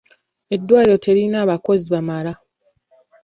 Eddwaliro teririna bakozi bamala.